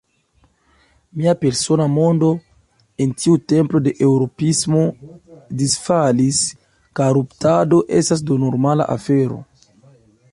Mia persona mondo, en tiu templo de eŭropismo, disfalis: koruptado estas do normala afero.